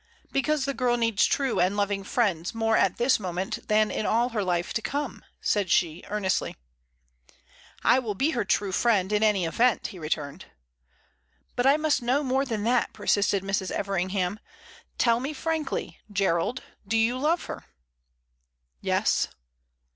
"Because the girl needs true and loving friends more at this moment than in all her life to come," said she, earnestly. "I will be her true friend in any event," he returned. "But I must know more than that," persisted Mrs. Everingham. "Tell me frankly, Gerald, do you love her?" "Yes."